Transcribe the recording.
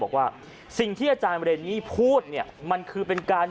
บอกว่าสิ่งที่อาจารย์เรนนี่พูดเนี่ยมันคือเป็นการ